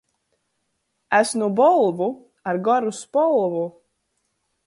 Es nu Bolvu ar goru spolvu.